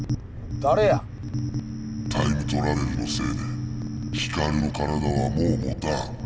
タイムトラベルのせいでヒカルの体はもうもたん。